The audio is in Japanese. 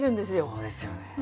そうですよね。